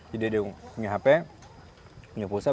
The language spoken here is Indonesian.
jadi dia punya hp punya pulsa